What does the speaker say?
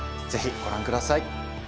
ぜひご覧ください。